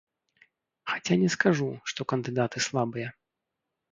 Хаця не скажу, што кандыдаты слабыя.